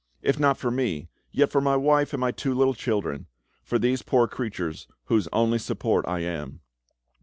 —if not for me, yet for my wife and my two little children—for these poor creatures whose only support I am!"